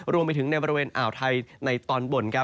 รวมไปถึงในบริเวณอ่าวไทยในตอนบน